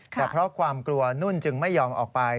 แต่เพราะความกลัวนุ่นจึงไม่ยอมออกไป